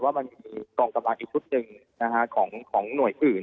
ว่ามันมีกองกำลังอีกชุดหนึ่งของหน่วยอื่น